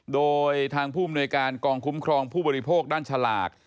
โดยทางผู้มนวยการกองคุ้มครองผู้บริโภคด้านฉลาก